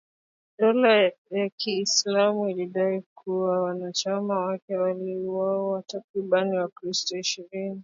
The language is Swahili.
Dola ya Kiislamu ilidai kuwa wanachama wake waliwauwa takribani wakristo ishirini